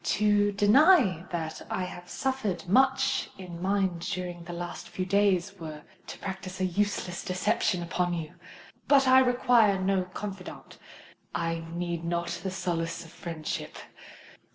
"To deny that I have suffered much in mind during the last few days, were to practise a useless deception upon you. But I require no confidant—I need not the solace of friendship.